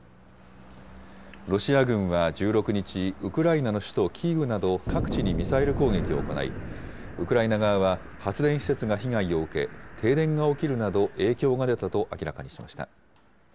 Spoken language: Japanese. ロシア軍は１６日、ウクライナの首都キーウなど、各地にミサイル攻撃を行い、ウクライナ側は、発電施設が被害を受け、停電が起きるなど、影響が出たと明らかにしました。